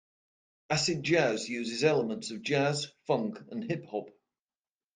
Acid jazz uses elements of jazz, funk and hip-hop.